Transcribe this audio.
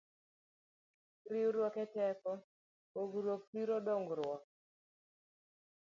Riwruok e teko, pogruok thiro dongruok